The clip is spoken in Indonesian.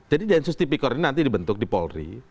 jadi densus tipikor ini nanti dibentuk di polri